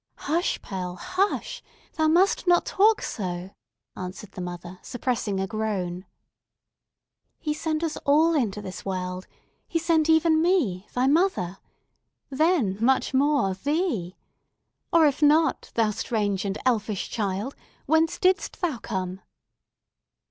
"Hush, Pearl, hush! Thou must not talk so!" answered the mother, suppressing a groan. "He sent us all into the world. He sent even me, thy mother. Then, much more thee! Or, if not, thou strange and elfish child, whence didst thou come?"